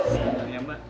selamat pagi mbak